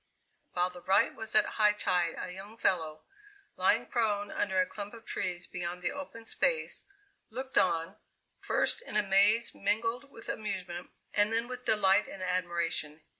While the rite was at high tide a young fellow, lying prone under a clump of trees beyond the open space, looked on, first in amaze mingled with amusement, and then with delight and admiration.